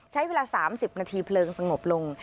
ใช้เวลาสามสิบนาทีเผลิงสงบลง